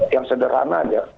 yang sederhana aja